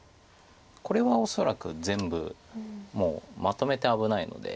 これは恐らく全部もうまとめて危ないので。